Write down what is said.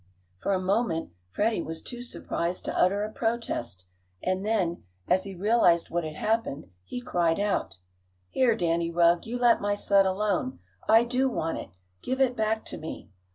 For a moment Freddie was too surprised to utter a protest and then, as he realized what had happened, he cried out: "Here, Danny Rugg, you let my sled alone! I do want it! Give it back to me!"